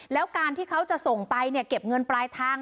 แล้วการที่เขาจะส่งไปเก็บเงินปลายทาง